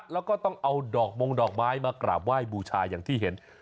แล้วก็ต้องเอาดอกมงดอกไม้มากราบไหว้บูชาอย่างที่เห็น